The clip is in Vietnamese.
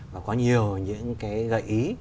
và có nhiều những cái gợi ý